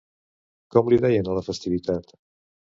Com li deien a la festivitat?